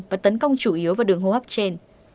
và tấn công chủ yếu vào đường hô hấp trên